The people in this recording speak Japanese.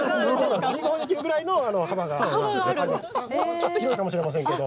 ちょっと広いかもしれませんけど。